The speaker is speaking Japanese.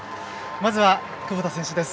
まずは窪田選手です。